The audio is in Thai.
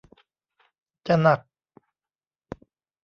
จะหนัก